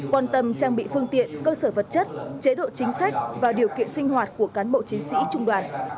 quan tâm trang bị phương tiện cơ sở vật chất chế độ chính sách và điều kiện sinh hoạt của cán bộ chiến sĩ trung đoàn